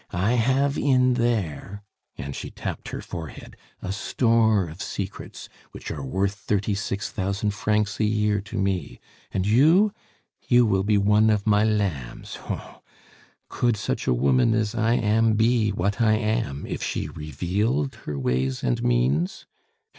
I have in there," and she tapped her forehead, "a store of secrets which are worth thirty six thousand francs a year to me; and you you will be one of my lambs, hoh! Could such a woman as I am be what I am if she revealed her ways and means?